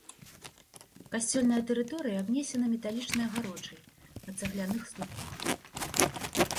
Касцёльная тэрыторыя абнесена металічнай агароджай на цагляных слупках.